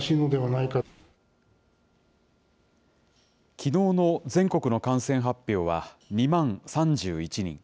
きのうの全国の感染発表は２万３１人。